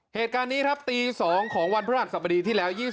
เหตุการณ์นี้ครับตี๒ของวันพระหัสสบดีที่แล้ว